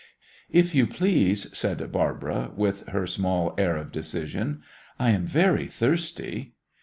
"If you please," said Barbara, with her small air of decision, "I am very thirsty."